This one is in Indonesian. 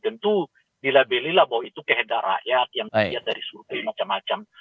tentu dilabelilah bahwa itu kehidat rakyat yang terlihat dari survei macam macam